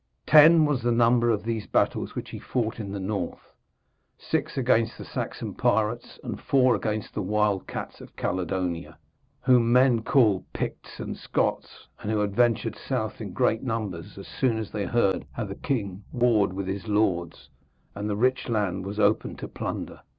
Ten was the number of these battles which he fought in the north, six against the Saxon pirates and four against the wild cats of Caledonia, whom men call Picts and Scots, and who had ventured south in greater numbers as soon as they heard how the king warred with his lords and the rich land was open to plunder.